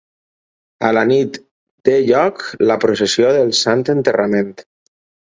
A la nit té lloc la processó del Sant Enterrament.